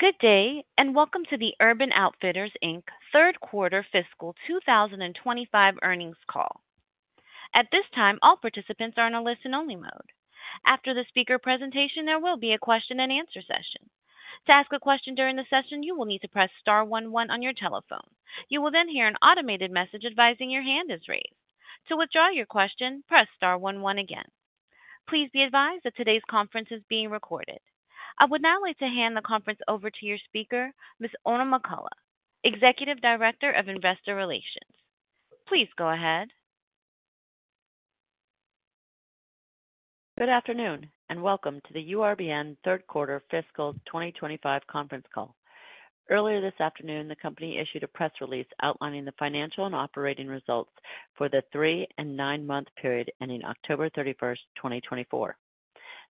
Good day, and welcome to the Urban Outfitters Inc. third quarter fiscal 2025 earnings call. At this time, all participants are on a listen-only mode. After the speaker presentation, there will be a question-and-answer session. To ask a question during the session, you will need to press star one one on your telephone. You will then hear an automated message advising your hand is raised. To withdraw your question, press star one one again. Please be advised that today's conference is being recorded. I would now like to hand the conference over to your speaker, Ms. Oona McCullough, Executive Director of Investor Relations. Please go ahead. Good afternoon, and welcome to the URBN third quarter fiscal 2025 conference call. Earlier this afternoon, the company issued a press release outlining the financial and operating results for the three and nine-month period ending October 31st, 2024.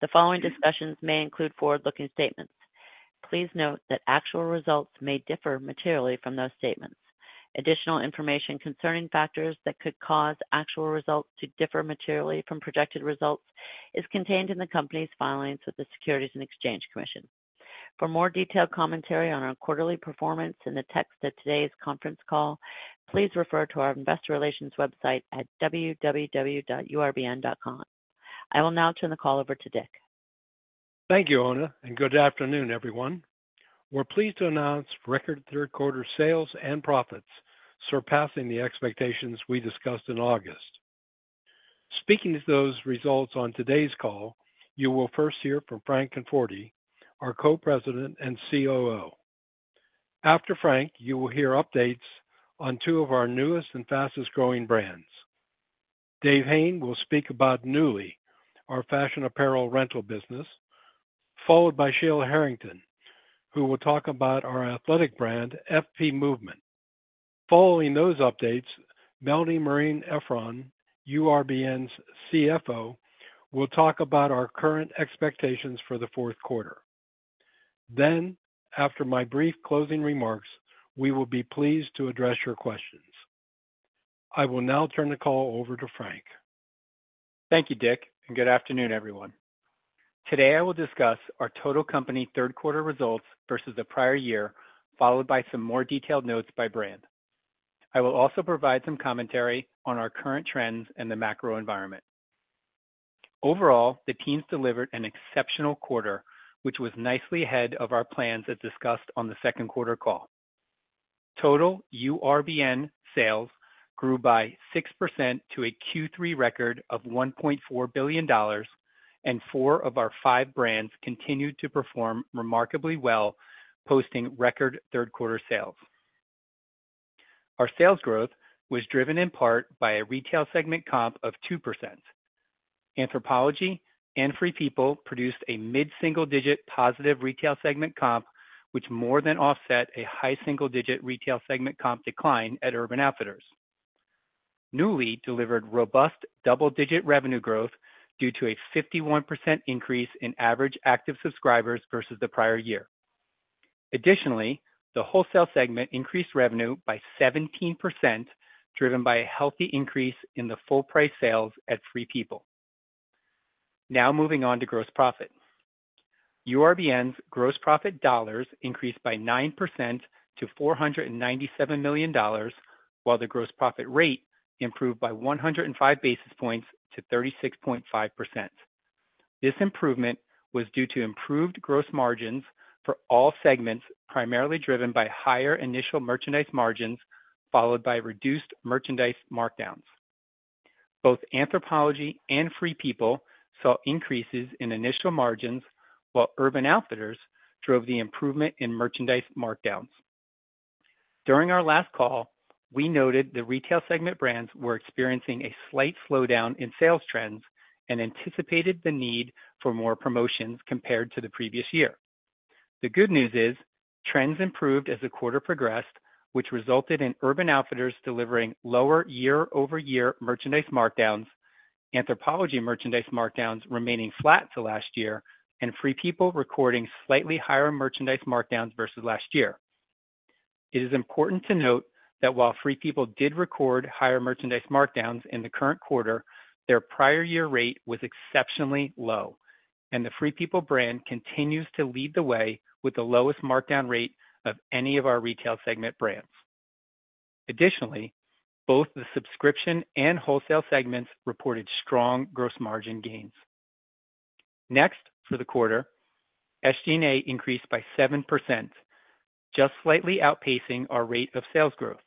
The following discussions may include forward-looking statements. Please note that actual results may differ materially from those statements. Additional information concerning factors that could cause actual results to differ materially from projected results is contained in the company's filings with the Securities and Exchange Commission. For more detailed commentary on our quarterly performance and the text of today's conference call, please refer to our investor relations website at www.urbn.com. I will now turn the call over to Dick. Thank you, Oona, and good afternoon, everyone. We're pleased to announce record third quarter sales and profits surpassing the expectations we discussed in August. Speaking to those results on today's call, you will first hear from Frank Conforti, our Co-President and COO. After Frank, you will hear updates on two of our newest and fastest-growing brands. David Hayne will speak about Nuuly, our fashion apparel rental business, followed by Sheila Harrington, who will talk about our athletic brand, FP Movement. Following those updates, Melanie Marein-Efron, URBN's CFO, will talk about our current expectations for the fourth quarter. Then, after my brief closing remarks, we will be pleased to address your questions. I will now turn the call over to Frank. Thank you, Dick, and good afternoon, everyone. Today, I will discuss our total company third quarter results versus the prior year, followed by some more detailed notes by brand. I will also provide some commentary on our current trends and the macro environment. Overall, the teams delivered an exceptional quarter, which was nicely ahead of our plans as discussed on the second quarter call. Total URBN sales grew by 6% to a Q3 record of $1.4 billion, and four of our five brands continued to perform remarkably well, posting record third quarter sales. Our sales growth was driven in part by a retail segment comp of 2%. Anthropologie and Free People produced a mid-single-digit positive retail segment comp, which more than offset a high single-digit retail segment comp decline at Urban Outfitters. Nuuly delivered robust double-digit revenue growth due to a 51% increase in average active subscribers versus the prior year. Additionally, the wholesale segment increased revenue by 17%, driven by a healthy increase in the full-price sales at Free People. Now, moving on to gross profit. URBN's gross profit dollars increased by 9% to $497 million, while the gross profit rate improved by 105 basis points to 36.5%. This improvement was due to improved gross margins for all segments, primarily driven by higher initial merchandise margins, followed by reduced merchandise markdowns. Both Anthropologie and Free People saw increases in initial margins, while Urban Outfitters drove the improvement in merchandise markdowns. During our last call, we noted the retail segment brands were experiencing a slight slowdown in sales trends and anticipated the need for more promotions compared to the previous year. The good news is trends improved as the quarter progressed, which resulted in Urban Outfitters delivering lower year-over-year merchandise markdowns, Anthropologie merchandise markdowns remaining flat to last year, and Free People recording slightly higher merchandise markdowns versus last year. It is important to note that while Free People did record higher merchandise markdowns in the current quarter, their prior year rate was exceptionally low, and the Free People brand continues to lead the way with the lowest markdown rate of any of our retail segment brands. Additionally, both the subscription and wholesale segments reported strong gross margin gains. Next for the quarter, SG&A increased by 7%, just slightly outpacing our rate of sales growth.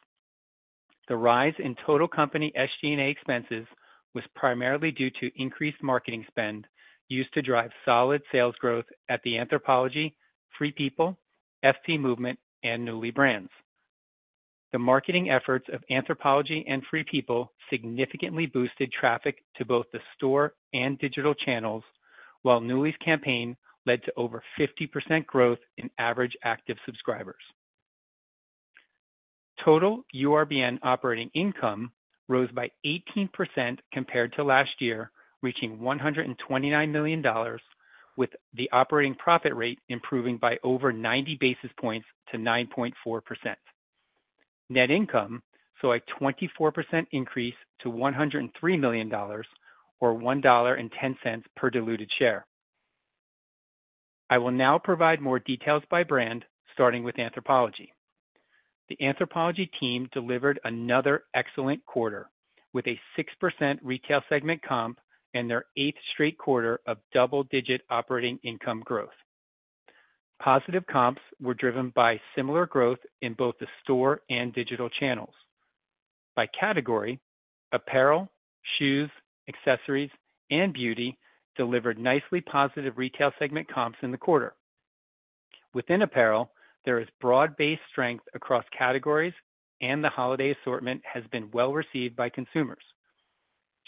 The rise in total company SG&A expenses was primarily due to increased marketing spend used to drive solid sales growth at the Anthropologie, Free People, FP Movement, and Nuuly brands. The marketing efforts of Anthropologie and Free People significantly boosted traffic to both the store and digital channels, while Nuuly's campaign led to over 50% growth in average active subscribers. Total URBN operating income rose by 18% compared to last year, reaching $129 million, with the operating profit rate improving by over 90 basis points to 9.4%. Net income saw a 24% increase to $103 million, or $1.10 per diluted share. I will now provide more details by brand, starting with Anthropologie. The Anthropologie team delivered another excellent quarter with a 6% retail segment comp and their eighth straight quarter of double-digit operating income growth. Positive comps were driven by similar growth in both the store and digital channels. By category, apparel, shoes, accessories, and beauty delivered nicely positive retail segment comps in the quarter. Within apparel, there is broad base strength across categories, and the holiday assortment has been well received by consumers.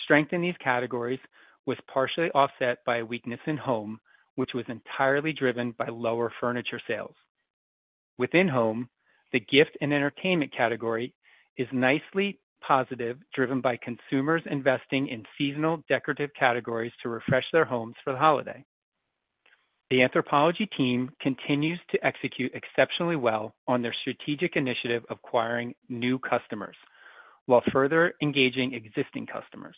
Strength in these categories was partially offset by a weakness in home, which was entirely driven by lower furniture sales. Within home, the gift and entertainment category is nicely positive, driven by consumers investing in seasonal decorative categories to refresh their homes for the holiday. The Anthropologie team continues to execute exceptionally well on their strategic initiative of acquiring new customers while further engaging existing customers.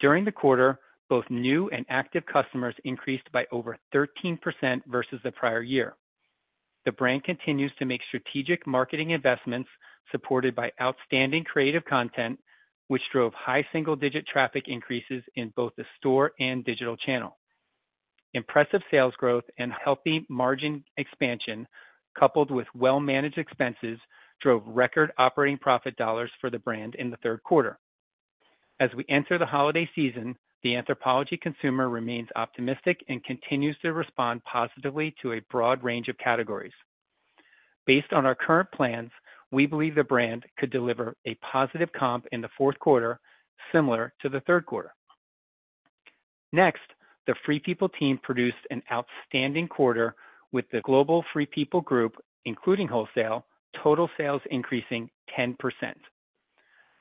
During the quarter, both new and active customers increased by over 13% versus the prior year. The brand continues to make strategic marketing investments supported by outstanding creative content, which drove high single-digit traffic increases in both the store and digital channel. Impressive sales growth and healthy margin expansion, coupled with well-managed expenses, drove record operating profit dollars for the brand in the third quarter. As we enter the holiday season, the Anthropologie consumer remains optimistic and continues to respond positively to a broad range of categories. Based on our current plans, we believe the brand could deliver a positive comp in the fourth quarter, similar to the third quarter. Next, the Free People team produced an outstanding quarter with the global Free People group, including wholesale, total sales increasing 10%.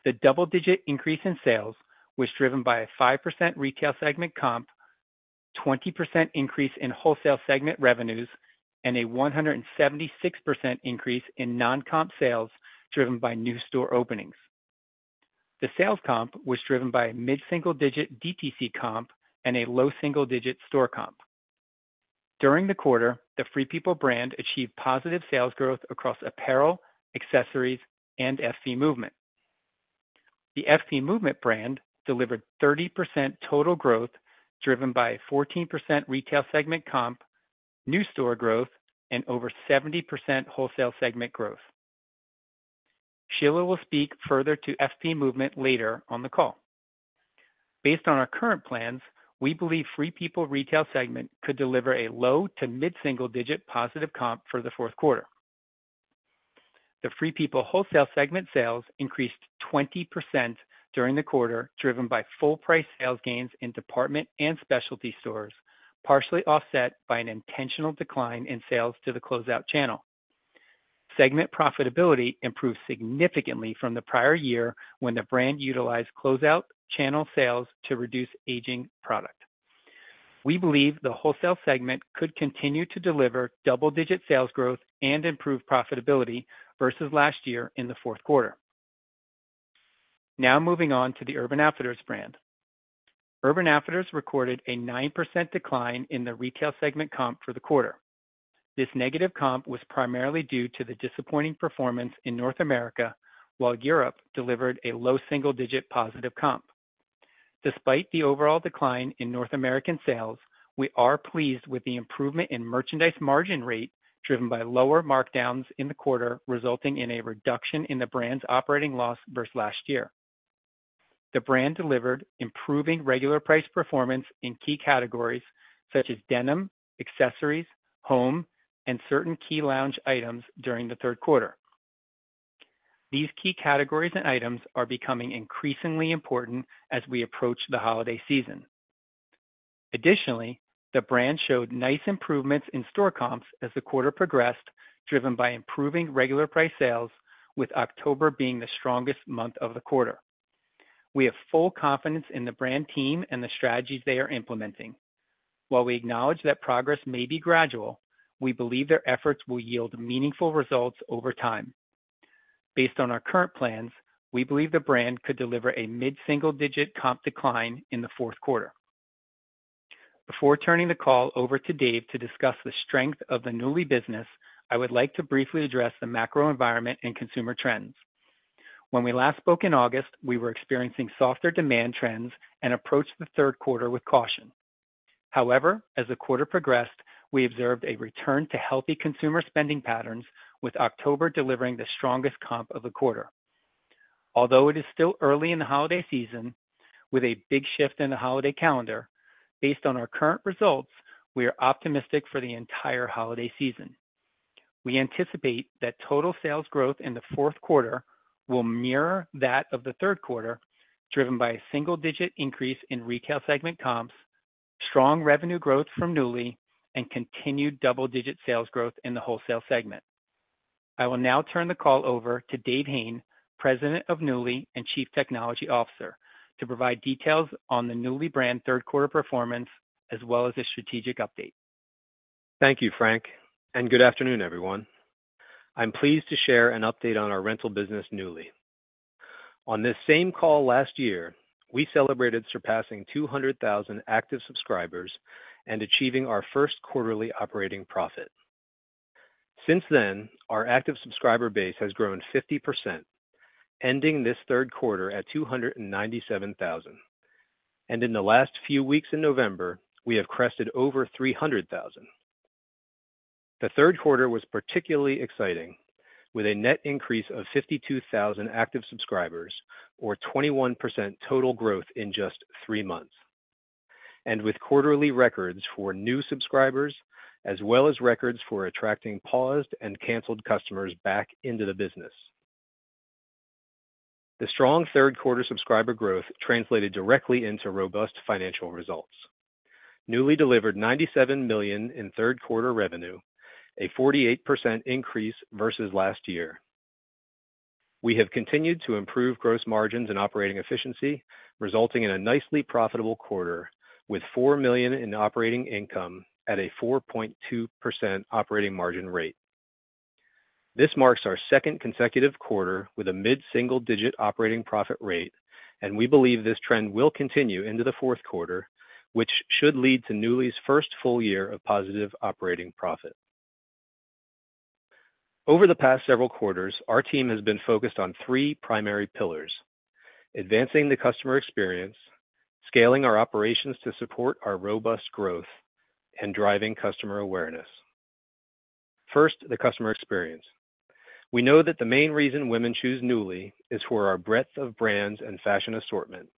The double-digit increase in sales was driven by a 5% retail segment comp, a 20% increase in wholesale segment revenues, and a 176% increase in non-comp sales driven by new store openings. The sales comp was driven by a mid-single-digit DTC comp and a low single-digit store comp. During the quarter, the Free People brand achieved positive sales growth across apparel, accessories, and FP Movement. The FP Movement brand delivered 30% total growth, driven by a 14% retail segment comp, new store growth, and over 70% wholesale segment growth. Sheila will speak further to FP Movement later on the call. Based on our current plans, we believe Free People retail segment could deliver a low to mid-single-digit positive comp for the fourth quarter. The Free People wholesale segment sales increased 20% during the quarter, driven by full-price sales gains in department and specialty stores, partially offset by an intentional decline in sales to the closeout channel. Segment profitability improved significantly from the prior year when the brand utilized closeout channel sales to reduce aging product. We believe the wholesale segment could continue to deliver double-digit sales growth and improved profitability versus last year in the fourth quarter. Now, moving on to the Urban Outfitters brand. Urban Outfitters recorded a 9% decline in the retail segment comp for the quarter. This negative comp was primarily due to the disappointing performance in North America, while Europe delivered a low single-digit positive comp. Despite the overall decline in North American sales, we are pleased with the improvement in merchandise margin rate driven by lower markdowns in the quarter, resulting in a reduction in the brand's operating loss versus last year. The brand delivered improving regular price performance in key categories such as denim, accessories, home, and certain key lounge items during the third quarter. These key categories and items are becoming increasingly important as we approach the holiday season. Additionally, the brand showed nice improvements in store comps as the quarter progressed, driven by improving regular price sales, with October being the strongest month of the quarter. We have full confidence in the brand team and the strategies they are implementing. While we acknowledge that progress may be gradual, we believe their efforts will yield meaningful results over time. Based on our current plans, we believe the brand could deliver a mid-single-digit comp decline in the fourth quarter. Before turning the call over to Dave to discuss the strength of the Nuuly business, I would like to briefly address the macro environment and consumer trends. When we last spoke in August, we were experiencing softer demand trends and approached the third quarter with caution. However, as the quarter progressed, we observed a return to healthy consumer spending patterns, with October delivering the strongest comp of the quarter. Although it is still early in the holiday season, with a big shift in the holiday calendar, based on our current results, we are optimistic for the entire holiday season. We anticipate that total sales growth in the fourth quarter will mirror that of the third quarter, driven by a single-digit increase in retail segment comps, strong revenue growth from Nuuly, and continued double-digit sales growth in the wholesale segment. I will now turn the call over to Dave Hayne, President of Nuuly and Chief Technology Officer, to provide details on the Nuuly brand third quarter performance as well as a strategic update. Thank you, Frank, and good afternoon, everyone. I'm pleased to share an update on our rental business, Nuuly. On this same call last year, we celebrated surpassing 200,000 active subscribers and achieving our first quarterly operating profit. Since then, our active subscriber base has grown 50%, ending this third quarter at 297,000, and in the last few weeks in November, we have crested over 300,000. The third quarter was particularly exciting, with a net increase of 52,000 active subscribers, or 21% total growth in just three months, and with quarterly records for new subscribers as well as records for attracting paused and canceled customers back into the business. The strong third quarter subscriber growth translated directly into robust financial results. Nuuly delivered $97 million in third quarter revenue, a 48% increase versus last year. We have continued to improve gross margins and operating efficiency, resulting in a nicely profitable quarter with $4 million in operating income at a 4.2% operating margin rate. This marks our second consecutive quarter with a mid-single-digit operating profit rate, and we believe this trend will continue into the fourth quarter, which should lead to Nuuly's first full year of positive operating profit. Over the past several quarters, our team has been focused on three primary pillars: advancing the customer experience, scaling our operations to support our robust growth, and driving customer awareness. First, the customer experience. We know that the main reason women choose Nuuly is for our breadth of brands and fashion assortment,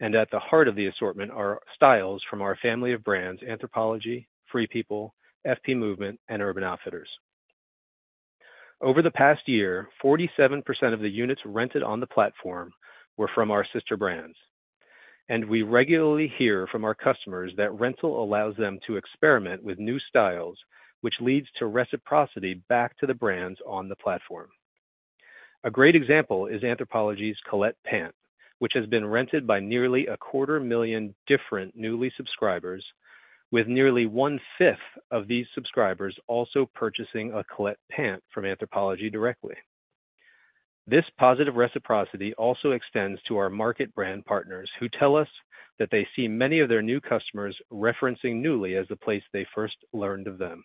and at the heart of the assortment are styles from our family of brands: Anthropologie, Free People, FP Movement, and Urban Outfitters. Over the past year, 47% of the units rented on the platform were from our sister brands, and we regularly hear from our customers that rental allows them to experiment with new styles, which leads to reciprocity back to the brands on the platform. A great example is Anthropologie's Colette Pant, which has been rented by nearly a quarter million different Nuuly subscribers, with nearly one-fifth of these subscribers also purchasing a Colette Pant from Anthropologie directly. This positive reciprocity also extends to our marketplace brand partners, who tell us that they see many of their new customers referencing Nuuly as the place they first learned of them.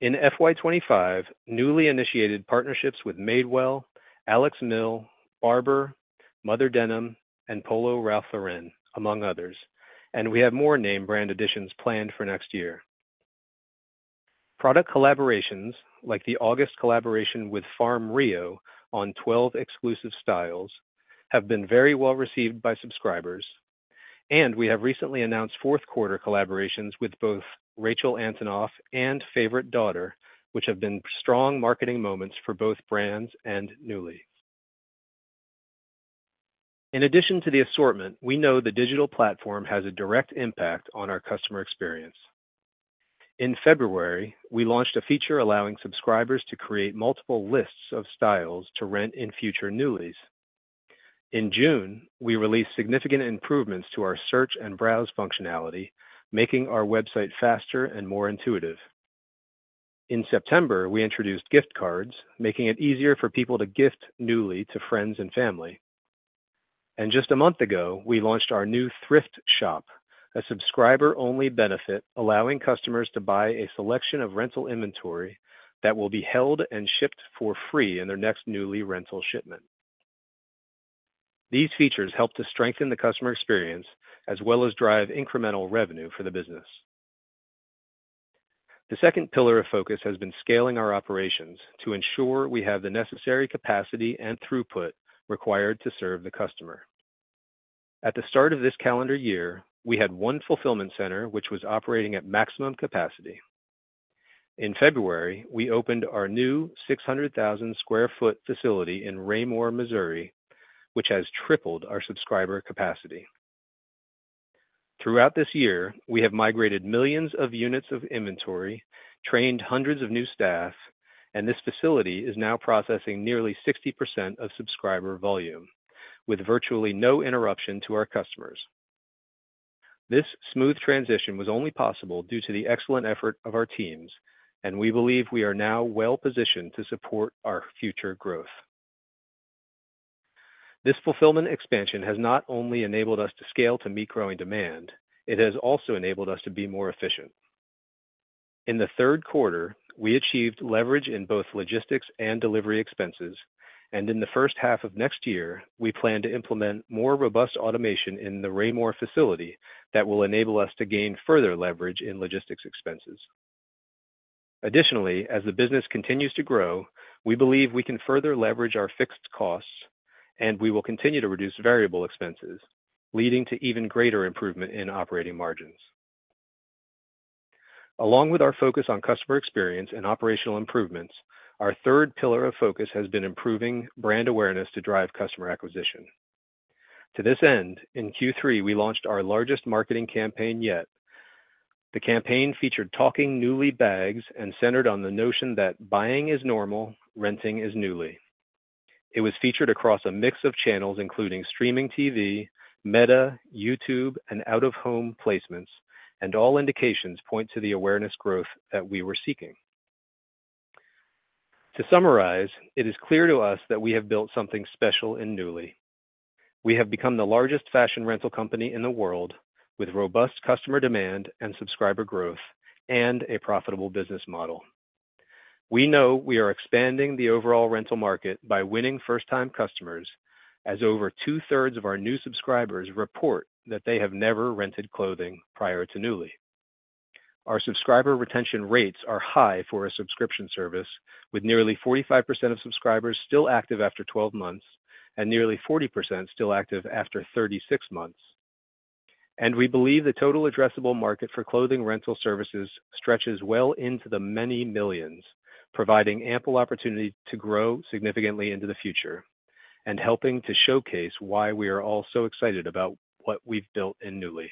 In FY25, Nuuly initiated partnerships with Madewell, Alex Mill, Barbour, Mother Denim, and Polo Ralph Lauren, among others, and we have more name brand additions planned for next year. Product collaborations, like the August collaboration with Farm Rio on 12 exclusive styles, have been very well received by subscribers, and we have recently announced fourth quarter collaborations with both Rachel Antonoff and Favorite Daughter, which have been strong marketing moments for both brands and Nuuly. In addition to the assortment, we know the digital platform has a direct impact on our customer experience. In February, we launched a feature allowing subscribers to create multiple lists of styles to rent in future Nuulys. In June, we released significant improvements to our search and browse functionality, making our website faster and more intuitive. In September, we introduced gift cards, making it easier for people to gift Nuuly to friends and family. And just a month ago, we launched our new Nuuly Thrift, a subscriber-only benefit allowing customers to buy a selection of rental inventory that will be held and shipped for free in their next Nuuly rental shipment. These features help to strengthen the customer experience as well as drive incremental revenue for the business. The second pillar of focus has been scaling our operations to ensure we have the necessary capacity and throughput required to serve the customer. At the start of this calendar year, we had one fulfillment center which was operating at maximum capacity. In February, we opened our new 600,000 sq ft facility in Raymore, Missouri, which has tripled our subscriber capacity. Throughout this year, we have migrated millions of units of inventory, trained hundreds of new staff, and this facility is now processing nearly 60% of subscriber volume with virtually no interruption to our customers. This smooth transition was only possible due to the excellent effort of our teams, and we believe we are now well positioned to support our future growth. This fulfillment expansion has not only enabled us to scale to meet growing demand, it has also enabled us to be more efficient. In the third quarter, we achieved leverage in both logistics and delivery expenses, and in the first half of next year, we plan to implement more robust automation in the Raymore facility that will enable us to gain further leverage in logistics expenses. Additionally, as the business continues to grow, we believe we can further leverage our fixed costs, and we will continue to reduce variable expenses, leading to even greater improvement in operating margins. Along with our focus on customer experience and operational improvements, our third pillar of focus has been improving brand awareness to drive customer acquisition. To this end, in Q3, we launched our largest marketing campaign yet. The campaign featured talking Nuuly bags and centered on the notion that buying is normal, renting is Nuuly. It was featured across a mix of channels, including streaming TV, Meta, YouTube, and out-of-home placements, and all indications point to the awareness growth that we were seeking. To summarize, it is clear to us that we have built something special in Nuuly. We have become the largest fashion rental company in the world with robust customer demand and subscriber growth and a profitable business model. We know we are expanding the overall rental market by winning first-time customers, as over two-thirds of our new subscribers report that they have never rented clothing prior to Nuuly. Our subscriber retention rates are high for a subscription service, with nearly 45% of subscribers still active after 12 months and nearly 40% still active after 36 months. And we believe the total addressable market for clothing rental services stretches well into the many millions, providing ample opportunity to grow significantly into the future and helping to showcase why we are all so excited about what we've built in Nuuly.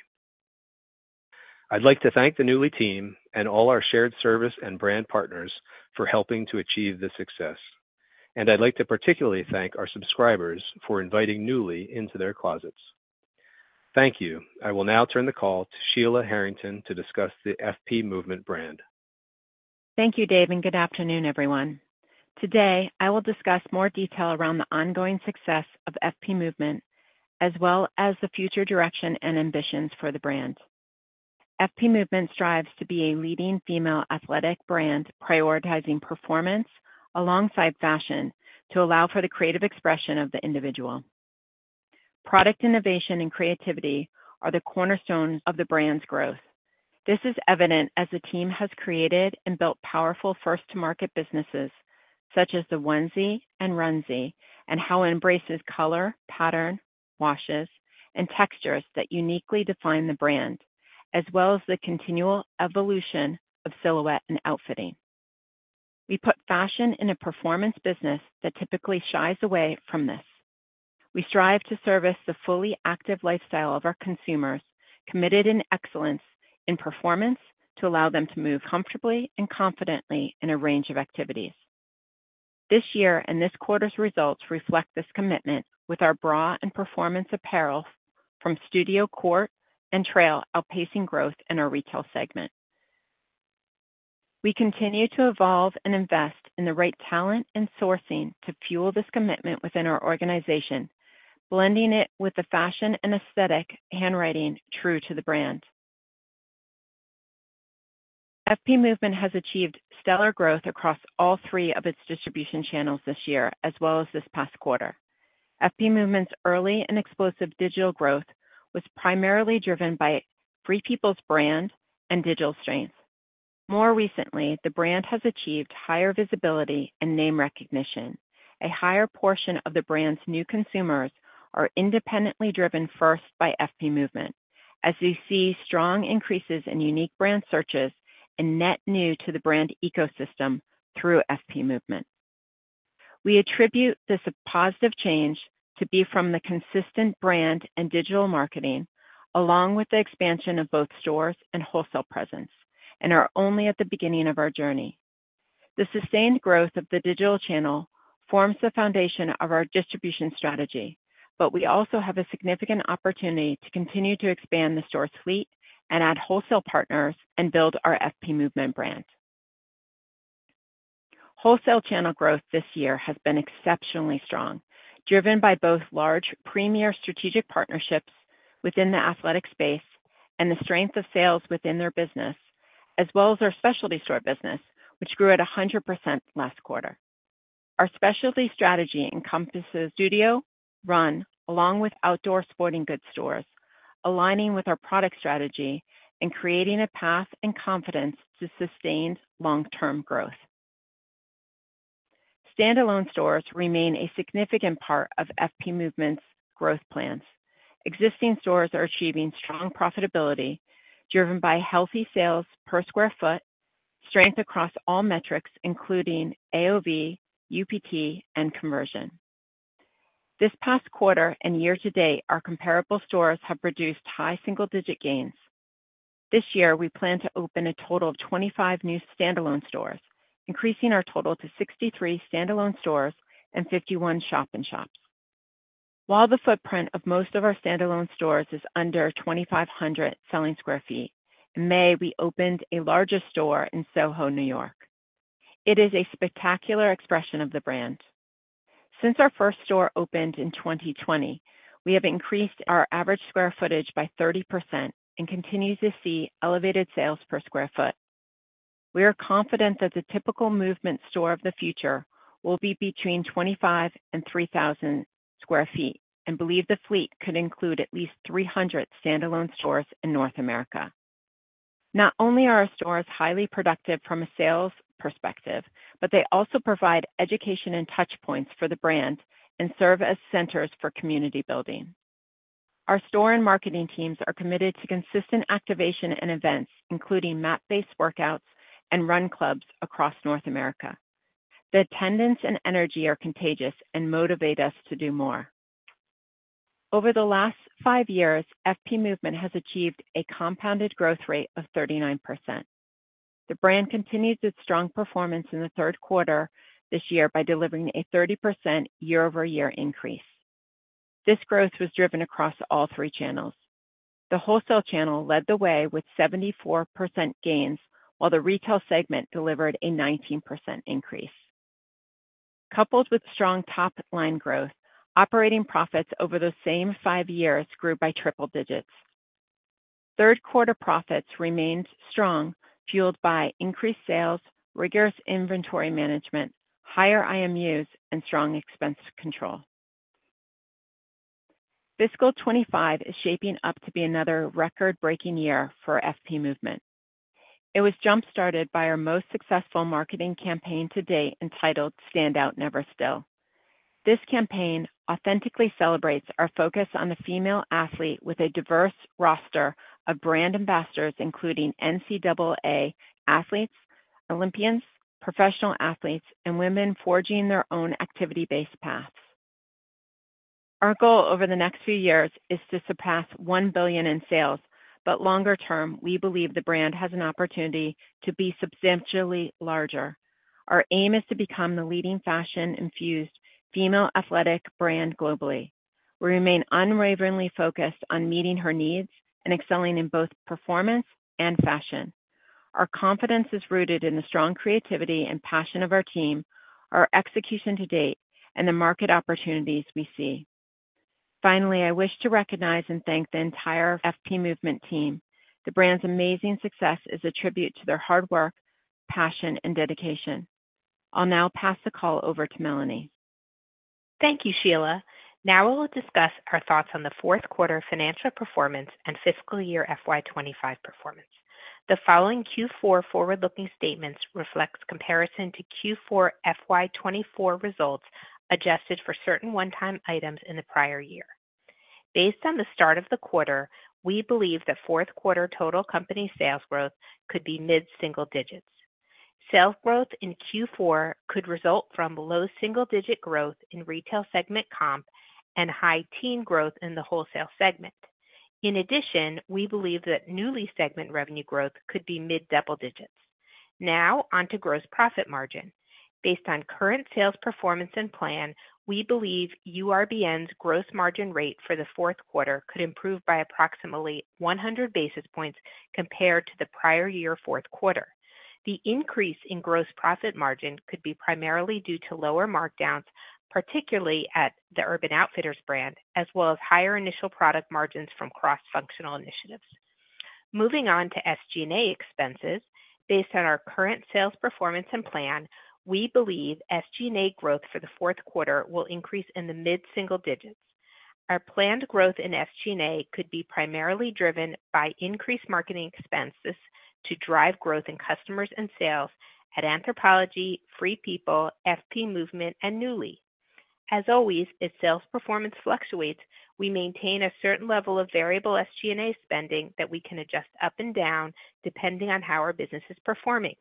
I'd like to thank the Nuuly team and all our shared service and brand partners for helping to achieve this success. And I'd like to particularly thank our subscribers for inviting Nuuly into their closets. Thank you. I will now turn the call to Sheila Harrington to discuss the FP Movement brand. Thank you, Dave, and good afternoon, everyone. Today, I will discuss more detail around the ongoing success of FP Movement, as well as the future direction and ambitions for the brand. FP Movement strives to be a leading female athletic brand, prioritizing performance alongside fashion to allow for the creative expression of the individual. Product innovation and creativity are the cornerstones of the brand's growth. This is evident as the team has created and built powerful first-to-market businesses such as the Onesie and Runsie, and how it embraces color, pattern, washes, and textures that uniquely define the brand, as well as the continual evolution of silhouette and outfitting. We put fashion in a performance business that typically shies away from this. We strive to service the fully active lifestyle of our consumers, committed in excellence in performance to allow them to move comfortably and confidently in a range of activities. This year and this quarter's results reflect this commitment with our bra and performance apparel from Studio Court and Trail, outpacing growth in our retail segment. We continue to evolve and invest in the right talent and sourcing to fuel this commitment within our organization, blending it with the fashion and aesthetic handwriting true to the brand. FP Movement has achieved stellar growth across all three of its distribution channels this year, as well as this past quarter. FP Movement's early and explosive digital growth was primarily driven by Free People's brand and digital strength. More recently, the brand has achieved higher visibility and name recognition. A higher portion of the brand's new consumers are independently driven first by FP Movement, as we see strong increases in unique brand searches and net new to the brand ecosystem through FP Movement. We attribute this positive change to be from the consistent brand and digital marketing, along with the expansion of both stores and wholesale presence, and are only at the beginning of our journey. The sustained growth of the digital channel forms the foundation of our distribution strategy, but we also have a significant opportunity to continue to expand the store fleet and add wholesale partners and build our FP Movement brand. Wholesale channel growth this year has been exceptionally strong, driven by both large premier strategic partnerships within the athletic space and the strength of sales within their business, as well as our specialty store business, which grew at 100% last quarter. Our specialty strategy encompasses Studio, Run, along with outdoor sporting goods stores, aligning with our product strategy and creating a path and confidence to sustained long-term growth. Standalone stores remain a significant part of FP Movement's growth plans. Existing stores are achieving strong profitability driven by healthy sales per sq ft, strength across all metrics, including AOV, UPT, and conversion. This past quarter and year to date, our comparable stores have produced high single-digit gains. This year, we plan to open a total of 25 new standalone stores, increasing our total to 63 standalone stores and 51 shop-in-shops. While the footprint of most of our standalone stores is under 2,500 selling sq ft, in May, we opened a larger store in SoHo, New York. It is a spectacular expression of the brand. Since our first store opened in 2020, we have increased our average sq ft by 30% and continue to see elevated sales per sq ft. We are confident that the typical movement store of the future will be between 25 and 3,000 sq ft and believe the fleet could include at least 300 standalone stores in North America. Not only are our stores highly productive from a sales perspective, but they also provide education and touchpoints for the brand and serve as centers for community building. Our store and marketing teams are committed to consistent activation and events, including map-based workouts and run clubs across North America. The attendance and energy are contagious and motivate us to do more. Over the last five years, FP Movement has achieved a compounded growth rate of 39%. The brand continues its strong performance in the third quarter this year by delivering a 30% year-over-year increase. This growth was driven across all three channels. The wholesale channel led the way with 74% gains, while the retail segment delivered a 19% increase. Coupled with strong top-line growth, operating profits over the same five years grew by triple digits. Third-quarter profits remained strong, fueled by increased sales, rigorous inventory management, higher IMUs, and strong expense control. Fiscal 25 is shaping up to be another record-breaking year for FP Movement. It was jump-started by our most successful marketing campaign to date entitled "Stand Out Never Still." This campaign authentically celebrates our focus on the female athlete with a diverse roster of brand ambassadors, including NCAA athletes, Olympians, professional athletes, and women forging their own activity-based paths. Our goal over the next few years is to surpass one billion in sales, but longer term, we believe the brand has an opportunity to be substantially larger. Our aim is to become the leading fashion-infused female athletic brand globally. We remain unwaveringly focused on meeting her needs and excelling in both performance and fashion. Our confidence is rooted in the strong creativity and passion of our team, our execution to date, and the market opportunities we see. Finally, I wish to recognize and thank the entire FP Movement team. The brand's amazing success is a tribute to their hard work, passion, and dedication. I'll now pass the call over to Melanie. Thank you, Sheila. Now we'll discuss our thoughts on the fourth quarter financial performance and fiscal year FY25 performance. The following Q4 forward-looking statements reflect comparison to Q4 FY24 results adjusted for certain one-time items in the prior year. Based on the start of the quarter, we believe that fourth quarter total company sales growth could be mid-single digits. Sales growth in Q4 could result from below single-digit growth in retail segment comp and high teen growth in the wholesale segment. In addition, we believe that Nuuly segment revenue growth could be mid-double digits. Now onto gross profit margin. Based on current sales performance and plan, we believe URBN's gross margin rate for the fourth quarter could improve by approximately 100 basis points compared to the prior year fourth quarter. The increase in gross profit margin could be primarily due to lower markdowns, particularly at the Urban Outfitters brand, as well as higher initial product margins from cross-functional initiatives. Moving on to SG&A expenses, based on our current sales performance and plan, we believe SG&A growth for the fourth quarter will increase in the mid-single digits. Our planned growth in SG&A could be primarily driven by increased marketing expenses to drive growth in customers and sales at Anthropologie, Free People, FP Movement, and Nuuly. As always, if sales performance fluctuates, we maintain a certain level of variable SG&A spending that we can adjust up and down depending on how our business is performing.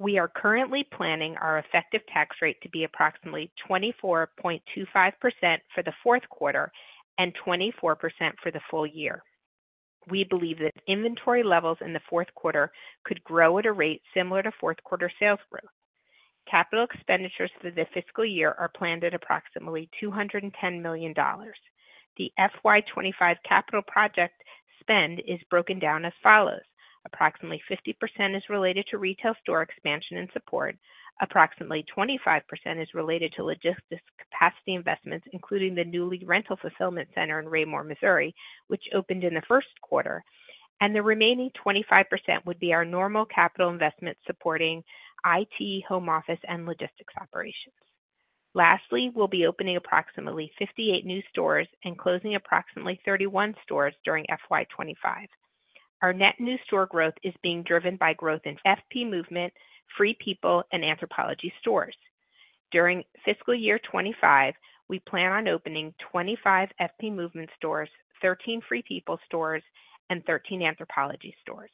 We are currently planning our effective tax rate to be approximately 24.25% for the fourth quarter and 24% for the full year. We believe that inventory levels in the fourth quarter could grow at a rate similar to fourth quarter sales growth. Capital expenditures for the fiscal year are planned at approximately $210 million. The FY25 capital project spend is broken down as follows. Approximately 50% is related to retail store expansion and support. Approximately 25% is related to logistics capacity investments, including the Nuuly Rental Fulfillment Center in Raymore, Missouri, which opened in the first quarter. And the remaining 25% would be our normal capital investment supporting IT, home office, and logistics operations. Lastly, we'll be opening approximately 58 new stores and closing approximately 31 stores during FY2025. Our net new store growth is being driven by growth in FP Movement, Free People, and Anthropologie stores. During Fiscal Year 2025, we plan on opening 25 FP Movement stores, 13 Free People stores, and 13 Anthropologie stores.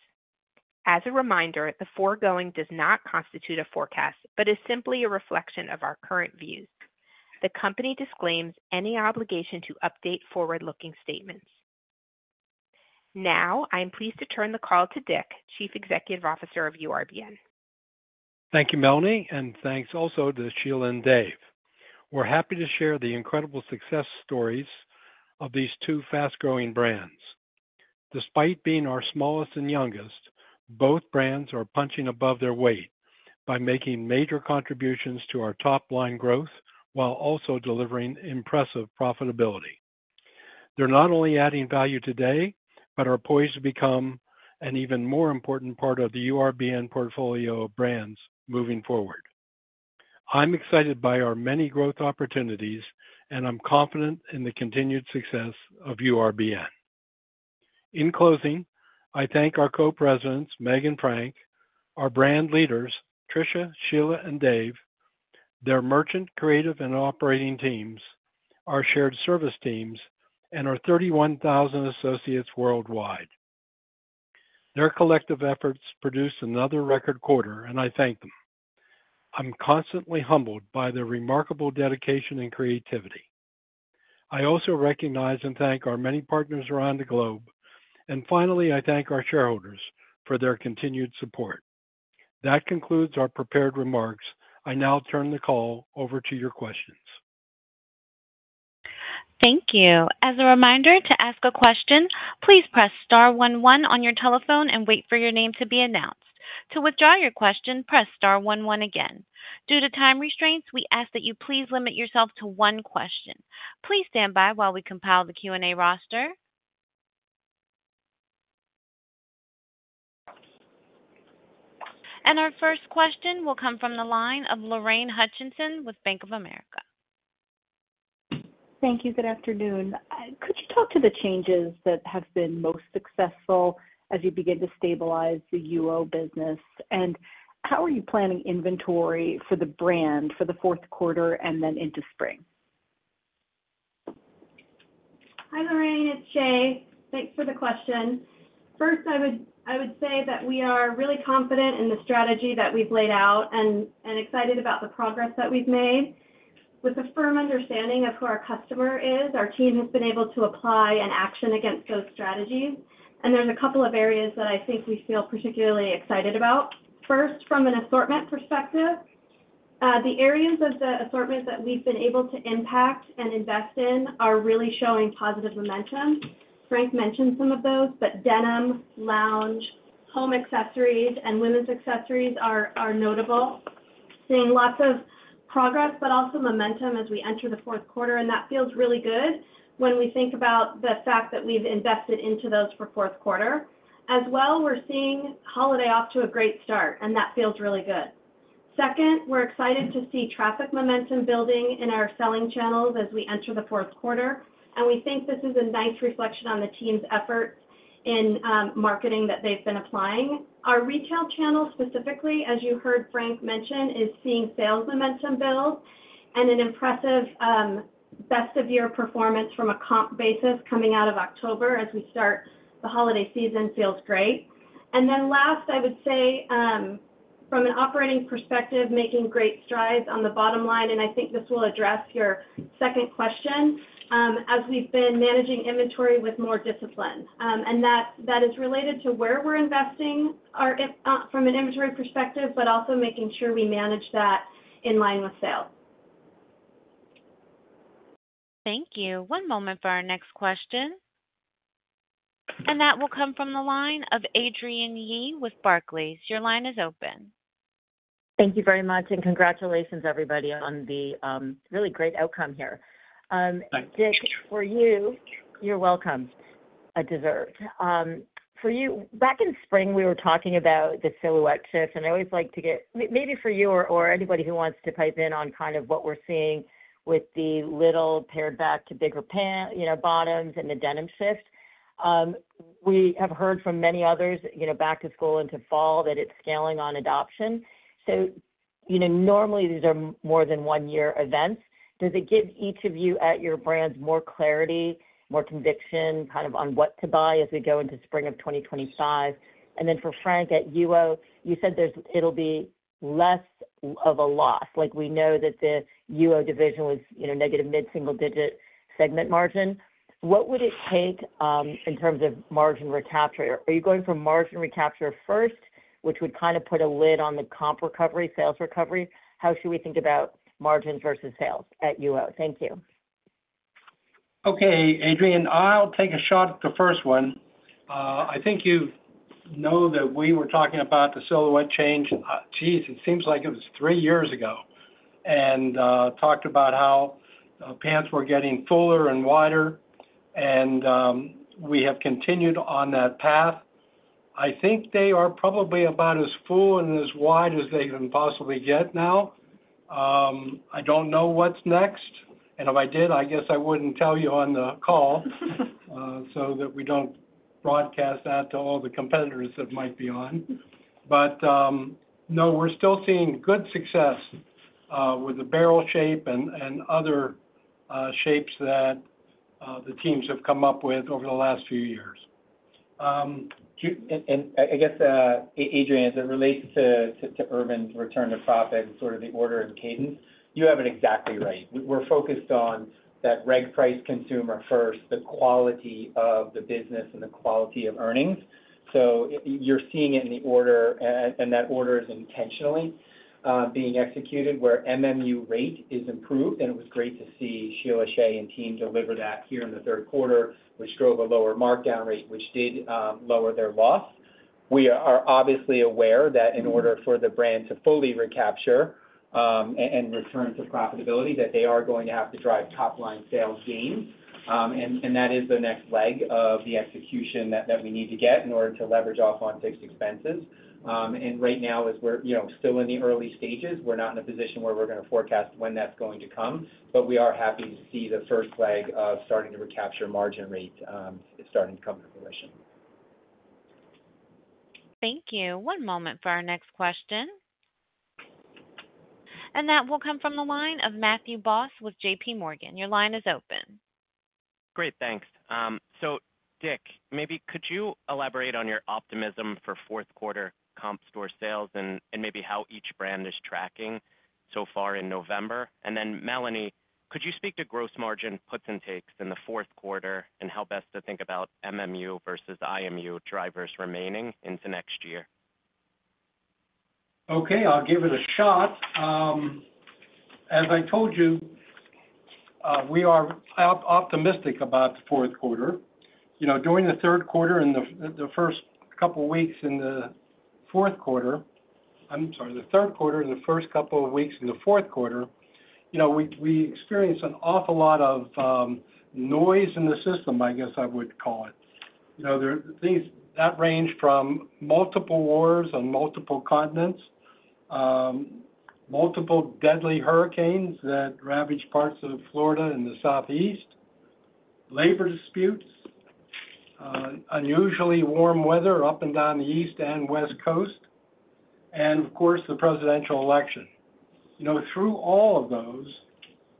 As a reminder, the foregoing does not constitute a forecast, but is simply a reflection of our current views. The company disclaims any obligation to update forward-looking statements. Now, I'm pleased to turn the call to Dick, Chief Executive Officer of URBN. Thank you, Melanie, and thanks also to Sheila and Dave. We're happy to share the incredible success stories of these two fast-growing brands. Despite being our smallest and youngest, both brands are punching above their weight by making major contributions to our top-line growth while also delivering impressive profitability. They're not only adding value today, but are poised to become an even more important part of the URBN portfolio of brands moving forward. I'm excited by our many growth opportunities, and I'm confident in the continued success of URBN. In closing, I thank our co-presidents, Meg and Frank, our brand leaders, Tricia, Sheila, and Dave, their merchant, creative, and operating teams, our shared service teams, and our 31,000 associates worldwide. Their collective efforts produced another record quarter, and I thank them. I'm constantly humbled by their remarkable dedication and creativity. I also recognize and thank our many partners around the globe. And finally, I thank our shareholders for their continued support. That concludes our prepared remarks. I now turn the call over to your questions. Thank you. As a reminder, to ask a question, please press star one one on your telephone and wait for your name to be announced. To withdraw your question, press star one one again. Due to time restraints, we ask that you please limit yourself to one question. Please stand by while we compile the Q&A roster, and our first question will come from the line of Lorraine Hutchinson with Bank of America. Thank you. Good afternoon. Could you talk to the changes that have been most successful as you begin to stabilize the UO business? And how are you planning inventory for the brand for the fourth quarter and then into spring? Hi, Lorraine. It's Shea. Thanks for the question. First, I would say that we are really confident in the strategy that we've laid out and excited about the progress that we've made. With a firm understanding of who our customer is, our team has been able to apply an action against those strategies, and there's a couple of areas that I think we feel particularly excited about. First, from an assortment perspective, the areas of the assortment that we've been able to impact and invest in are really showing positive momentum. Frank mentioned some of those, but denim, lounge, home accessories, and women's accessories are notable, seeing lots of progress, but also momentum as we enter the fourth quarter, and that feels really good when we think about the fact that we've invested into those for fourth quarter. As well, we're seeing holiday off to a great start, and that feels really good. Second, we're excited to see traffic momentum building in our selling channels as we enter the fourth quarter. And we think this is a nice reflection on the team's efforts in marketing that they've been applying. Our retail channel specifically, as you heard Frank mention, is seeing sales momentum build and an impressive best-of-year performance from a comp basis coming out of October as we start the holiday season. Feels great. And then last, I would say, from an operating perspective, making great strides on the bottom line. And I think this will address your second question as we've been managing inventory with more discipline. And that is related to where we're investing from an inventory perspective, but also making sure we manage that in line with sales. Thank you. One moment for our next question. And that will come from the line of Adrienne Yih with Barclays. Your line is open. Thank you very much and congratulations, everybody, on the really great outcome here. Dick, for you, you're welcome. Back in spring, we were talking about the silhouette shift and I always like to get maybe for you or anybody who wants to pipe in on kind of what we're seeing with the little pared-back-to-bigger bottoms and the denim shift. We have heard from many others back to school into fall that it's scaling on adoption, so normally, these are more than one-year events. Does it give each of you at your brands more clarity, more conviction kind of on what to buy as we go into spring of 2025 and then for Frank at UO, you said it'll be less of a loss. We know that the UO division was negative mid-single-digit segment margin. What would it take in terms of margin recapture? Are you going from margin recapture first, which would kind of put a lid on the comp recovery, sales recovery? How should we think about margins versus sales at UO? Thank you. Okay, Adrienne, I'll take a shot at the first one. I think you know that we were talking about the silhouette change. Jeez, it seems like it was three years ago, and talked about how pants were getting fuller and wider, and we have continued on that path. I think they are probably about as full and as wide as they can possibly get now. I don't know what's next, and if I did, I guess I wouldn't tell you on the call so that we don't broadcast that to all the competitors that might be on, but no, we're still seeing good success with the barrel shape and other shapes that the teams have come up with over the last few years. I guess, Adrienne, as it relates to Urban's return to profit and sort of the order and cadence, you have it exactly right. We're focused on that reg price consumer first, the quality of the business, and the quality of earnings. So you're seeing it in the order, and that order is intentionally being executed where MMU rate is improved. It was great to see Sheila, Shea, and team deliver that here in the third quarter, which drove a lower markdown rate, which did lower their loss. We are obviously aware that in order for the brand to fully recapture and return to profitability, that they are going to have to drive top-line sales gains. That is the next leg of the execution that we need to get in order to leverage off on fixed expenses. Right now, as we're still in the early stages, we're not in a position where we're going to forecast when that's going to come. We are happy to see the first leg of starting to recapture margin rate starting to come to fruition. Thank you. One moment for our next question, and that will come from the line of Matthew Boss with JPMorgan. Your line is open. Great. Thanks. So Dick, maybe could you elaborate on your optimism for fourth quarter comp store sales and maybe how each brand is tracking so far in November? And then Melanie, could you speak to gross margin puts and takes in the fourth quarter and how best to think about MMU versus IMU drivers remaining into next year? Okay. I'll give it a shot. As I told you, we are optimistic about the fourth quarter. During the third quarter and the first couple of weeks in the fourth quarter, we experienced an awful lot of noise in the system, I guess I would call it. That ranged from multiple wars on multiple continents, multiple deadly hurricanes that ravaged parts of Florida and the Southeast, labor disputes, unusually warm weather up and down the East and West Coast, and of course, the presidential election. Through all of those,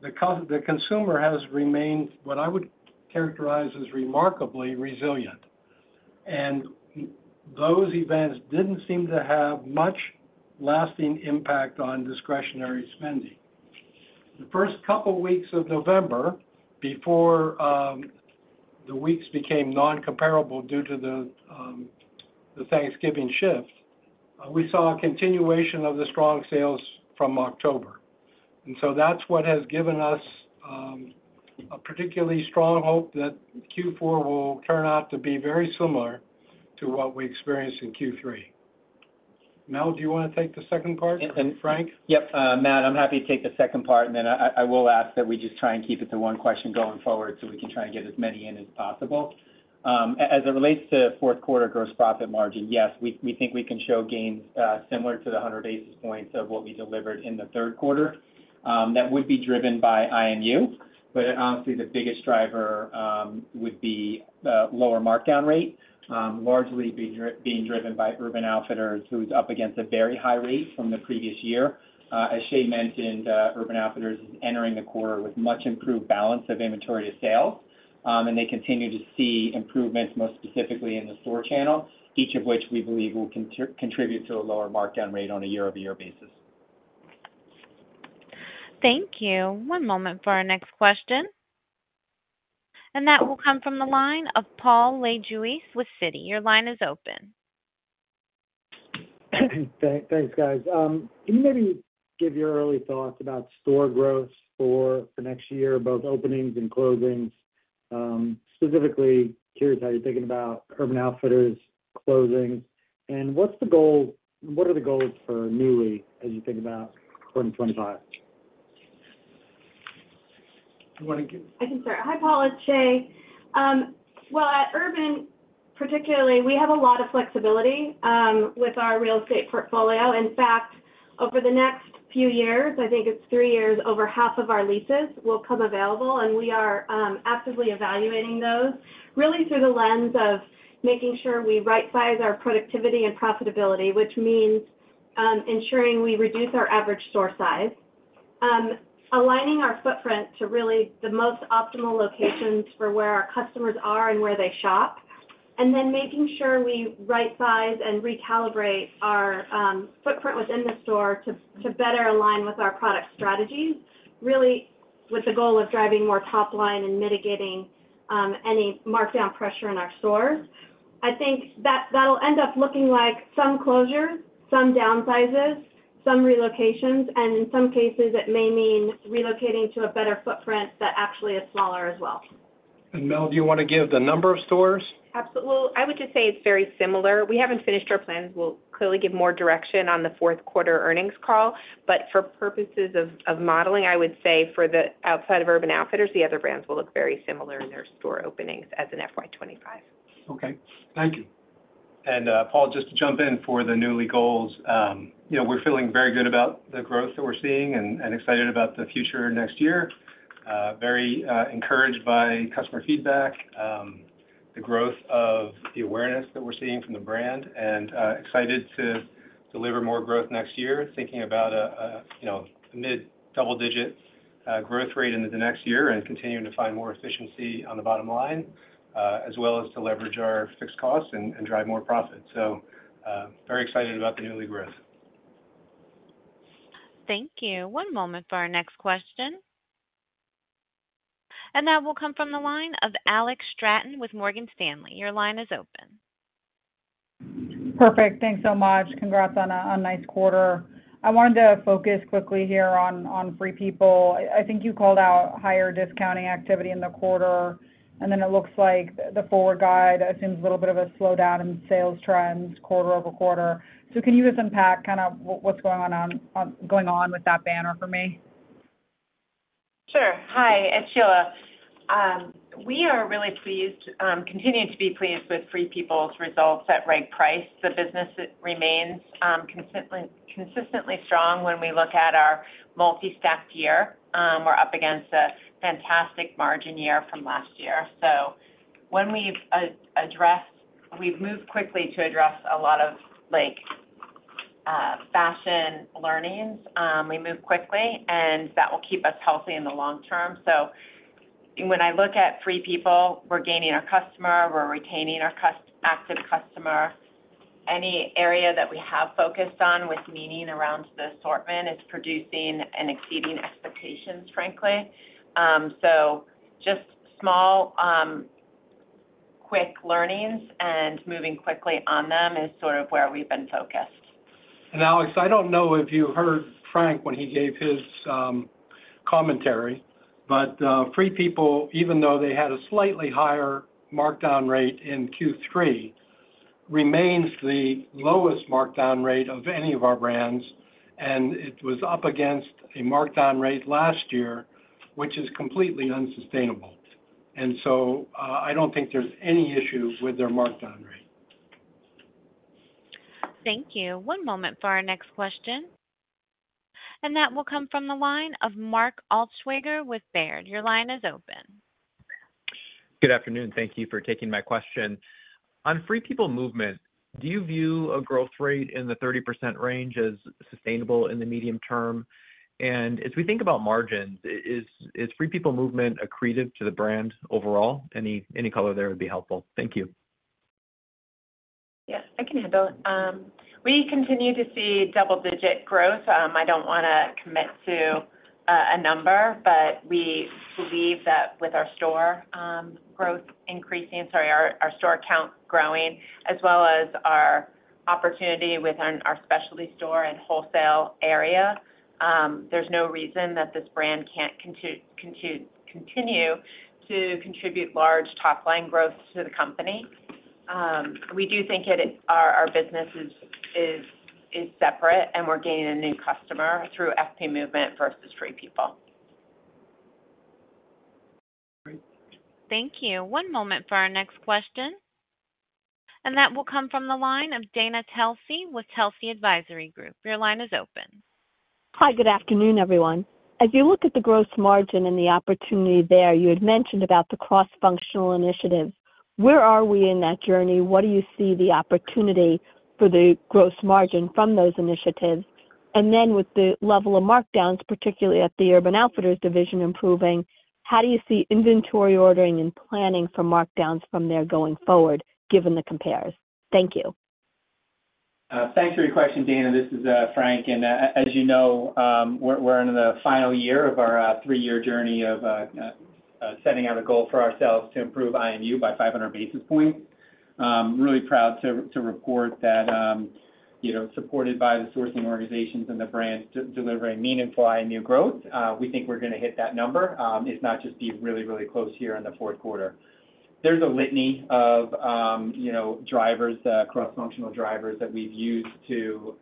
the consumer has remained what I would characterize as remarkably resilient. Those events didn't seem to have much lasting impact on discretionary spending. The first couple of weeks of November, before the weeks became non-comparable due to the Thanksgiving shift, we saw a continuation of the strong sales from October. And so that's what has given us a particularly strong hope that Q4 will turn out to be very similar to what we experienced in Q3. Mel, do you want to take the second part? Frank? Yep. Matt, I'm happy to take the second part, and then I will ask that we just try and keep it to one question going forward so we can try and get as many in as possible. As it relates to fourth quarter gross profit margin, yes, we think we can show gains similar to the 100 basis points of what we delivered in the third quarter. That would be driven by IMU. But honestly, the biggest driver would be lower markdown rate, largely being driven by Urban Outfitters, who's up against a very high rate from the previous year. As Shea mentioned, Urban Outfitters is entering the quarter with much improved balance of inventory to sales, and they continue to see improvements, most specifically in the store channel, each of which we believe will contribute to a lower markdown rate on a year-over-year basis. Thank you. One moment for our next question. And that will come from the line of Paul Lejuez with Citi. Your line is open. Thanks, guys. Can you maybe give your early thoughts about store growth for next year, both openings and closings? Specifically, curious how you're thinking about Urban Outfitters closings. And what are the goals for Nuuly as you think about 2025? I can start. Hi, Paul and Shea. Well, at Urban, particularly, we have a lot of flexibility with our real estate portfolio. In fact, over the next few years, I think it's three years, over half of our leases will come available. And we are actively evaluating those really through the lens of making sure we right-size our productivity and profitability, which means ensuring we reduce our average store size, aligning our footprint to really the most optimal locations for where our customers are and where they shop, and then making sure we right-size and recalibrate our footprint within the store to better align with our product strategies, really with the goal of driving more top line and mitigating any markdown pressure in our stores. I think that'll end up looking like some closures, some downsizes, some relocations. In some cases, it may mean relocating to a better footprint that actually is smaller as well. Mel, do you want to give the number of stores? Absolutely. I would just say it's very similar. We haven't finished our plans. We'll clearly give more direction on the fourth quarter earnings call. But for purposes of modeling, I would say for the outside of Urban Outfitters, the other brands will look very similar in their store openings as in FY2025. Okay. Thank you. Paul, just to jump in for the Nuuly goals, we're feeling very good about the growth that we're seeing and excited about the future next year. Very encouraged by customer feedback, the growth of the awareness that we're seeing from the brand, and excited to deliver more growth next year, thinking about a mid-double-digit growth rate into the next year and continuing to find more efficiency on the bottom line, as well as to leverage our fixed costs and drive more profit. Very excited about the Nuuly growth. Thank you. One moment for our next question. And that will come from the line of Alex Straton with Morgan Stanley. Your line is open. Perfect. Thanks so much. Congrats on a nice quarter. I wanted to focus quickly here on Free People. I think you called out higher discounting activity in the quarter. And then it looks like the forward guide assumes a little bit of a slowdown in sales trends quarter over quarter. So can you just unpack kind of what's going on with that banner for me? Sure. Hi. It's Sheila. We are really pleased, continuing to be pleased with Free People's results at reg price. The business remains consistently strong when we look at our multi-year stack. We're up against a fantastic margin year from last year. So when we've addressed, we've moved quickly to address a lot of fashion learnings. We move quickly, and that will keep us healthy in the long term. So when I look at Free People, we're gaining our customer. We're retaining our active customer. Any area that we have focused on with meaning around the assortment is producing and exceeding expectations, frankly. So just small, quick learnings and moving quickly on them is sort of where we've been focused. And Alex, I don't know if you heard Frank when he gave his commentary, but Free People, even though they had a slightly higher markdown rate in Q3, remains the lowest markdown rate of any of our brands. And it was up against a markdown rate last year, which is completely unsustainable. And so I don't think there's any issue with their markdown rate. Thank you. One moment for our next question. And that will come from the line of Mark Altschwager with Baird. Your line is open. Good afternoon. Thank you for taking my question. On Free People Movement, do you view a growth rate in the 30% range as sustainable in the medium term? And as we think about margins, is Free People Movement accretive to the brand overall? Any color there would be helpful. Thank you. Yes. I can handle it. We continue to see double-digit growth. I don't want to commit to a number, but we believe that with our store growth increasing, sorry, our store count growing, as well as our opportunity within our specialty store and wholesale area, there's no reason that this brand can't continue to contribute large top-line growth to the company. We do think our business is separate, and we're gaining a new customer through FP Movement versus Free People. Thank you. One moment for our next question, and that will come from the line of Dana Telsey with Telsey Advisory Group. Your line is open. Hi, good afternoon, everyone. As you look at the gross margin and the opportunity there, you had mentioned about the cross-functional initiatives. Where are we in that journey? What do you see the opportunity for the gross margin from those initiatives? And then with the level of markdowns, particularly at the Urban Outfitters division improving, how do you see inventory ordering and planning for markdowns from there going forward, given the comparison? Thank you. Thanks for your question, Dana. This is Frank. And as you know, we're in the final year of our three-year journey of setting out a goal for ourselves to improve IMU by 500 basis points. Really proud to report that supported by the sourcing organizations and the brand delivering meaningful IMU growth, we think we're going to hit that number. It's not just be really, really close here in the fourth quarter. There's a litany of drivers, cross-functional drivers that we've used to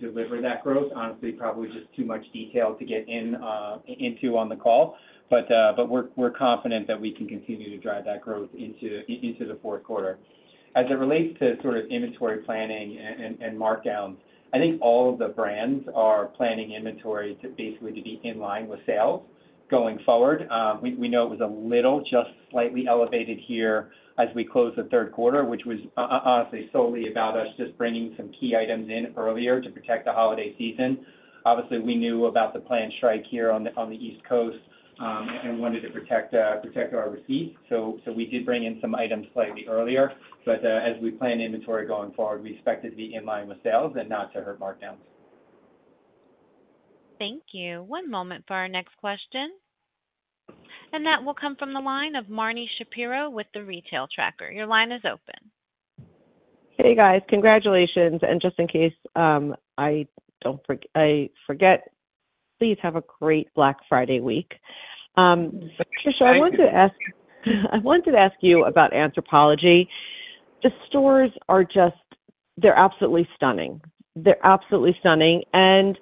deliver that growth. Honestly, probably just too much detail to get into on the call. But we're confident that we can continue to drive that growth into the fourth quarter. As it relates to sort of inventory planning and markdowns, I think all of the brands are planning inventory basically to be in line with sales going forward. We know it was a little, just slightly elevated here as we closed the third quarter, which was honestly solely about us just bringing some key items in earlier to protect the holiday season. Obviously, we knew about the planned strike here on the East Coast and wanted to protect our receipts. So we did bring in some items slightly earlier. But as we plan inventory going forward, we expect it to be in line with sales and not to hurt markdowns. Thank you. One moment for our next question. And that will come from the line of Marni Shapiro with The Retail Tracker. Your line is open. Hey, guys. Congratulations, and just in case I forget, please have a great Black Friday week. Tricia, I wanted to ask you about Anthropologie. The stores are just, they're absolutely stunning. They're absolutely stunning. And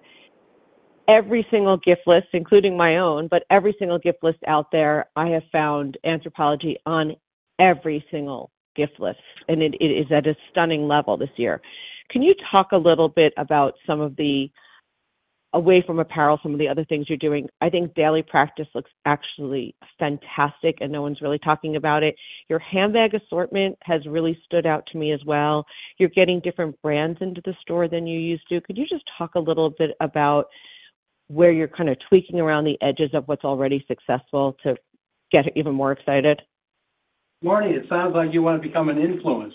every single gift list, including my own, but every single gift list out there, I have found Anthropologie on every single gift list. And it is at a stunning level this year. Can you talk a little bit about some of the away from apparel, some of the other things you're doing? I think Daily Practice looks actually fantastic, and no one's really talking about it. Your handbag assortment has really stood out to me as well. You're getting different brands into the store than you used to. Could you just talk a little bit about where you're kind of tweaking around the edges of what's already successful to get it even more excited? Marnie, it sounds like you want to become an influencer.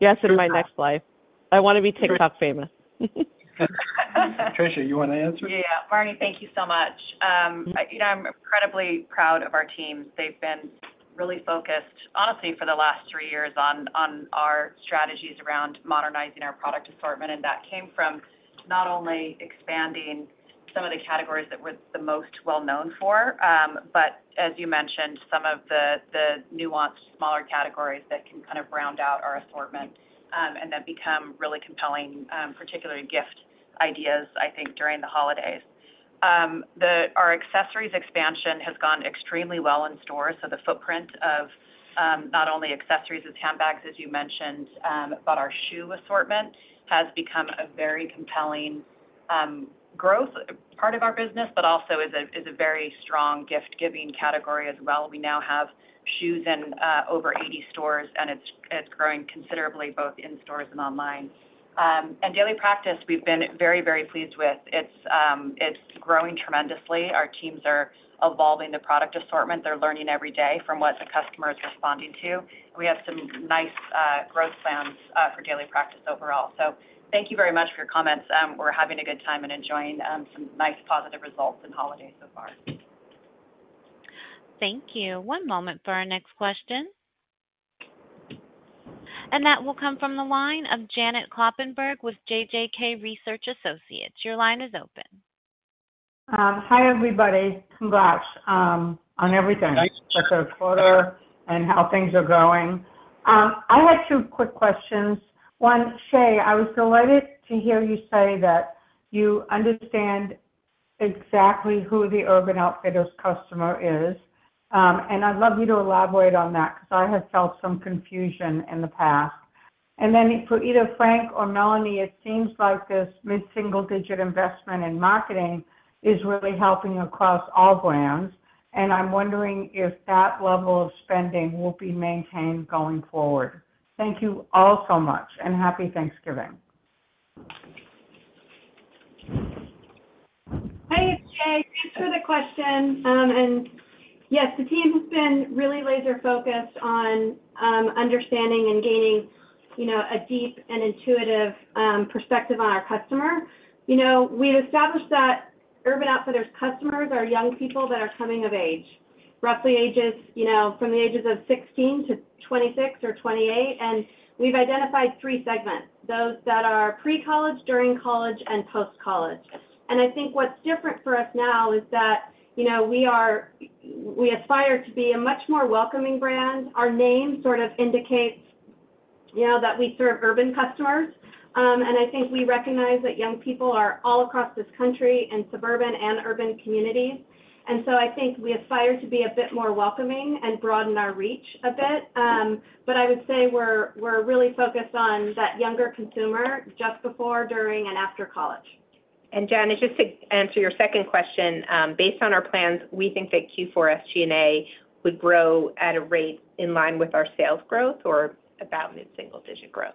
Yes, in my next life. I want to be TikTok famous. Tricia, you want to answer? Yeah. Marnie, thank you so much. I'm incredibly proud of our teams. They've been really focused, honestly, for the last three years on our strategies around modernizing our product assortment. And that came from not only expanding some of the categories that we're the most well-known for, but as you mentioned, some of the nuanced, smaller categories that can kind of round out our assortment and then become really compelling, particularly gift ideas, I think, during the holidays. Our accessories expansion has gone extremely well in stores. So the footprint of not only accessories as handbags, as you mentioned, but our shoe assortment has become a very compelling growth part of our business, but also is a very strong gift-giving category as well. We now have shoes in over 80 stores, and it's growing considerably both in stores and online. And Daily Practice, we've been very, very pleased with. It's growing tremendously. Our teams are evolving the product assortment. They're learning every day from what the customer is responding to. We have some nice growth plans for daily practice overall. So thank you very much for your comments. We're having a good time and enjoying some nice positive results and holidays so far. Thank you. One moment for our next question. And that will come from the line of Janet Kloppenburg with JJK Research Associates. Your line is open. Hi, everybody. Congrats on everything, special quarter, and how things are going. I had two quick questions. One, Shea, I was delighted to hear you say that you understand exactly who the Urban Outfitters customer is, and I'd love you to elaborate on that because I have felt some confusion in the past, and then for either Frank or Melanie, it seems like this mid-single-digit investment in marketing is really helping across all brands, and I'm wondering if that level of spending will be maintained going forward. Thank you all so much, and happy Thanksgiving. Hi, it's Shea. Thanks for the question, and yes, the team has been really laser-focused on understanding and gaining a deep and intuitive perspective on our customer. We've established that Urban Outfitters customers are young people that are coming of age, roughly from the ages of 16 to 26 or 28. And we've identified three segments: those that are pre-college, during-college, and post-college. And I think what's different for us now is that we aspire to be a much more welcoming brand. Our name sort of indicates that we serve urban customers. And I think we recognize that young people are all across this country in suburban and urban communities. And so I think we aspire to be a bit more welcoming and broaden our reach a bit. But I would say we're really focused on that younger consumer just before, during, and after college. Janet, just to answer your second question, based on our plans, we think that Q4 SG&A would grow at a rate in line with our sales growth or about mid-single-digit growth.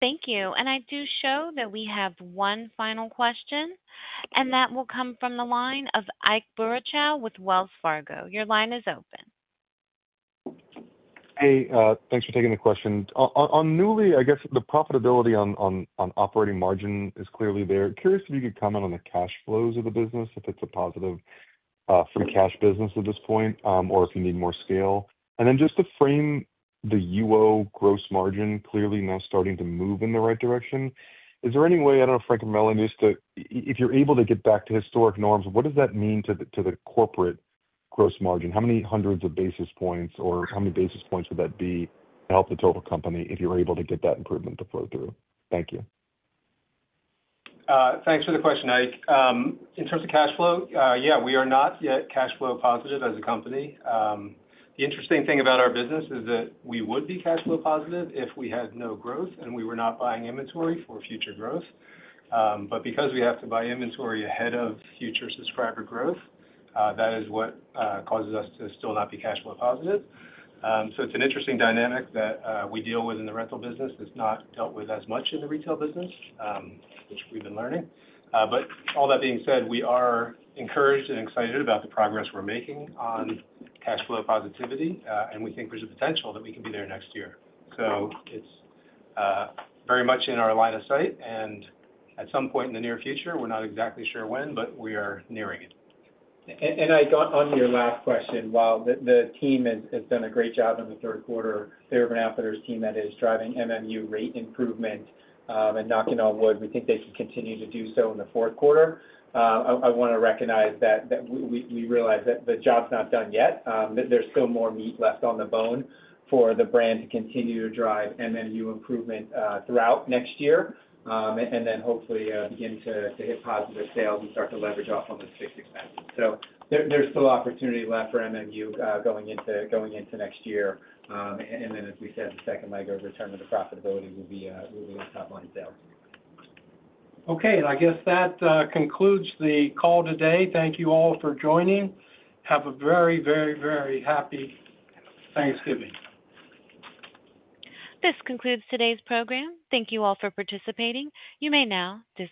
Thank you. And I do show that we have one final question, and that will come from the line of Ike Boruchow with Wells Fargo. Your line is open. Hey, thanks for taking the question. On Nuuly, I guess the profitability on operating margin is clearly there. Curious if you could comment on the cash flows of the business, if it's a positive free cash business at this point, or if you need more scale. And then just to frame the UO gross margin, clearly now starting to move in the right direction. Is there any way, I don't know if Frank and Melanie used to—if you're able to get back to historic norms, what does that mean to the corporate gross margin? How many hundreds of basis points, or how many basis points would that be to help the total company if you're able to get that improvement to flow through? Thank you. Thanks for the question, Ike. In terms of cash flow, yeah, we are not yet cash flow positive as a company. The interesting thing about our business is that we would be cash flow positive if we had no growth and we were not buying inventory for future growth. But because we have to buy inventory ahead of future subscriber growth, that is what causes us to still not be cash flow positive. So it's an interesting dynamic that we deal with in the rental business. It's not dealt with as much in the retail business, which we've been learning. But all that being said, we are encouraged and excited about the progress we're making on cash flow positivity. And we think there's a potential that we can be there next year. So it's very much in our line of sight. At some point in the near future, we're not exactly sure when, but we are nearing it. And I'll get on to your last question. While the team has done a great job in the third quarter, the Urban Outfitters team that is driving MMU rate improvement and, knocking on wood, we think they can continue to do so in the fourth quarter. I want to recognize that we realize that the job's not done yet. There's still more meat left on the bone for the brand to continue to drive MMU improvement throughout next year and then hopefully begin to hit positive sales and start to leverage off on the fixed expenses. So there's still opportunity left for MMU going into next year. And then, as we said, the second leg of return of the profitability will be on top-line sales. Okay. I guess that concludes the call today. Thank you all for joining. Have a very, very, very happy Thanksgiving. This concludes today's program. Thank you all for participating. You may now disconnect.